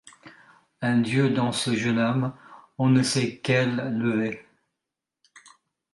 Un dieu dans. ce jeune homme, on ne sait quel lever